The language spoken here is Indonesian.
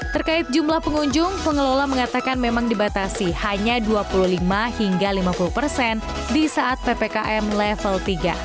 terkait jumlah pengunjung pengelola mengatakan memang dibatasi hanya dua puluh lima hingga lima puluh persen di saat ppkm level tiga